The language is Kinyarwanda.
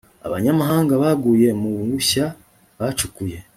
abanyamahanga baguye mu bushya bacukuye